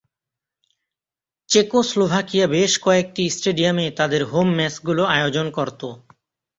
চেকোস্লোভাকিয়া বেশ কয়েকটি স্টেডিয়ামে তাদের হোম ম্যাচগুলো আয়োজন করতো।